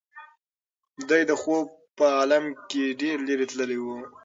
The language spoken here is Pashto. دی د خوب په عالم کې ډېر لرې تللی و.